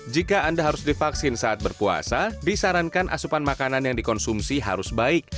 jika anda harus divaksin saat berpuasa disarankan asupan makanan yang dikonsumsi harus baik